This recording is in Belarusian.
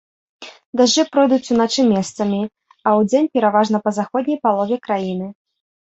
Дажджы пройдуць уначы месцамі, а удзень пераважна па заходняй палове краіны.